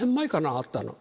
会ったの。